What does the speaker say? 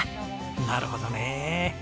なるほどね。